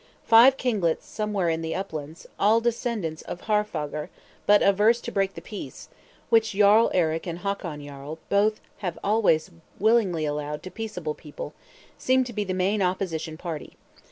Five kinglets somewhere in the Uplands, all descendants of Haarfagr; but averse to break the peace, which Jarl Eric and Hakon Jarl both have always willingly allowed to peaceable people, seem to be the main opposition party.